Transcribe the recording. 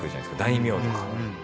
大名とか。